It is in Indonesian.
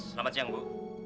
selamat siang bu